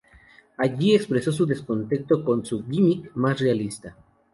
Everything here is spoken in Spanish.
Allí, expresó su descontento con su "gimmick más realista".